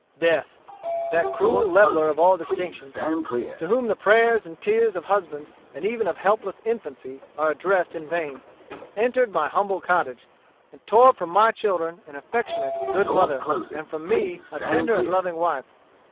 Death, that cruel leveller of all distinctions, to whom the prayers and tears of husbands, and even of helpless infancy, are addressed in vain, entered my humble cottage, and tore from my children an affectionate, good mother, and from me a tender and loving wife.